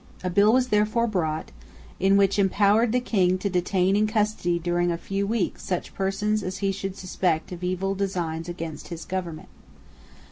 A bill was therefore brought in which empowered the King to detain in custody during a few weeks such persons as he should suspect of evil designs against his government.